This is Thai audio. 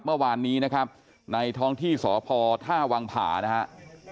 เมื่อวานนี้นะครับในท้องที่สพท่าวังผานะครับ